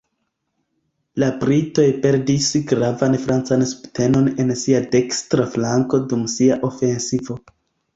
La britoj perdis gravan francan subtenon en sia dekstra flanko dum sia ofensivo.